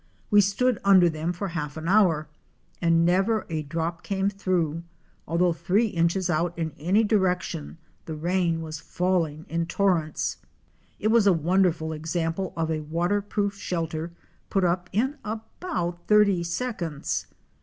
We stood under them for half an hour and never a drop came through, although three inches out in any direction the rain was falling in torrents. It was a wonderful example of a waterproof shelter put up in about thirty seconds.